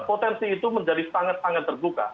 potensi itu menjadi sangat sangat terbuka